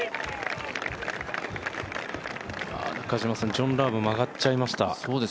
ジョン・ラーム、曲がっちゃいました。